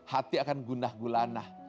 hati akan gundah gulanah